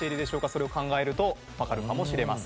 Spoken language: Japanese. それを考えるとわかるかもしれません。